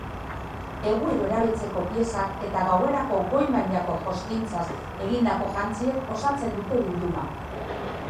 Egunero erabiltzeko piezak eta gauerako goi mailako joskintzaz egindako jantziek osatzen dute bilduma.